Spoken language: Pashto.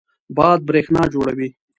باد برېښنا جوړوي.